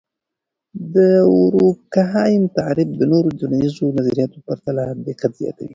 د دورکهايم تعریف د نورو ټولنیزو نظریاتو په پرتله دقت زیاتوي.